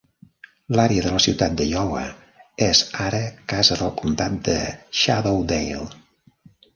L'àrea de la ciutat d'Iowa és ara casa del comtat de Shadowdale.